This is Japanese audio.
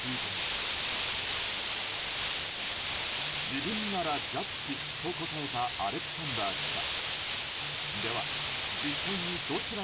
自分ならジャッジと答えたアレクサンダー記者。